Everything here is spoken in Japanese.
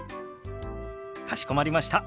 かしこまりました。